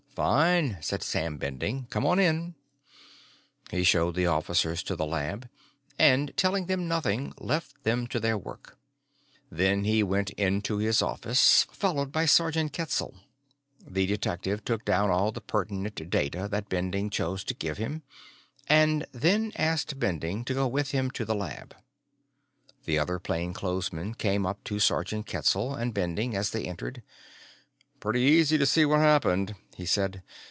"Fine," said Sam Bending. "Come on in." He showed the officers to the lab, and telling them nothing, left them to their work. Then he went into his office, followed by Sergeant Ketzel. The detective took down all the pertinent data that Bending chose to give him, and then asked Bending to go with him to the lab. The other plainclothesman came up to Sergeant Ketzel and Bending as they entered. "Pretty easy to see what happened," he said.